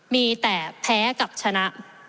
มีแต่แพ้กับชนะ